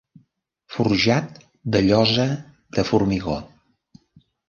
Forjat de llosa de formigó.